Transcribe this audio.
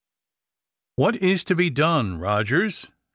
"What is to be done, Rogers?"